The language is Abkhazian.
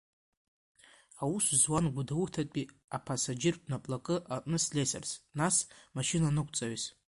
Аус зуан Гәудоу-ҭатәи апассаџьыртә наплакы аҟны слесарс, нас машьынаныҟәцаҩыс.